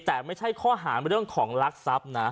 แต่ไม่ใช่ข้อหาเรื่องของลักทรัพย์นะ